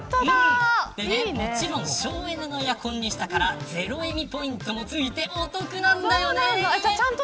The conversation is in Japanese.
もちろん省エネのエアコンにしたからゼロエミポイントも付いてお得なんだよね。